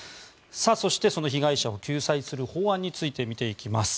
そして、その被害者を救済する法案について見ていきます。